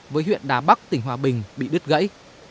với huyện đà bắc tỉnh hòa bình bị đứt gãy